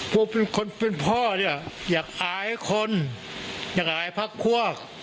ผู้เป็นคนนี้พ่อเนี่ยอยากอายคนอยากอายภาคพวก